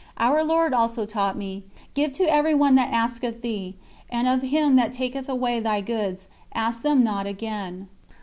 Our Lord also taught me: "Give to everyone that asketh thee; and of him that taketh away thy goods, ask them not again."